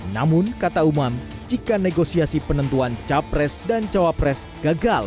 namun kata umum jika negosiasi penentuan capres dan cawapres gagal